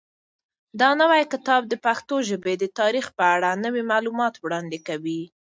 دا نوی کتاب د پښتو ژبې د تاریخ په اړه نوي معلومات وړاندې کوي.